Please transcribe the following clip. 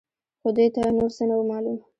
خو دوی ته نور څه نه وو معلوم.